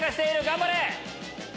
頑張れ！